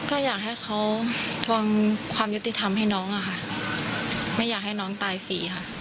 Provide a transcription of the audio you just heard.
ก็อยากให้เขาทวงความยุติธรรมให้น้องอะค่ะไม่อยากให้น้องตายฟรีค่ะ